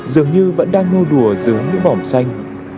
dường như vẫn đang nô đùa dưới những mỏm xanh